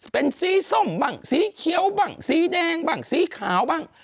เป็นสีส้มบ้างสีเขียวบ้างสีแดงบ้างสีขาวบ้าง